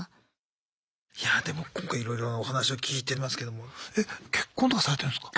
いやでも今回いろいろなお話を聞いてますけども結婚とかされてるんですか？